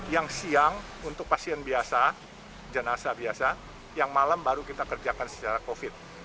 yang siang untuk pasien biasa jenazah biasa yang malam baru kita kerjakan secara covid